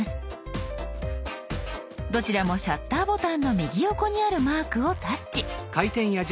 どちらもシャッターボタンの右横にあるマークをタッチ。